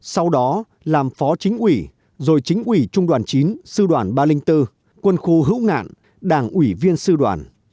sau đó làm phó chính ủy rồi chính ủy trung đoàn chín sư đoàn ba trăm linh bốn quân khu hữu ngạn đảng ủy viên sư đoàn